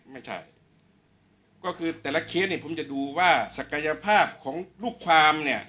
ไม่ใช่ก็คือแต่ละเคสเนี่ยผมจะดูว่าศักยภาพของลูกความเนี่ย